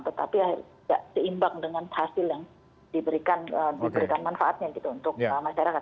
tetapi tidak seimbang dengan hasil yang diberikan manfaatnya gitu untuk masyarakat